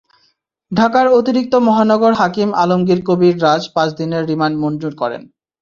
ঢাকার অতিরিক্ত মহানগর হাকিম আলমগীর কবীর রাজ পাঁচ দিনের রিমান্ড মঞ্জুর করেন।